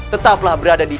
tetaplah berada disini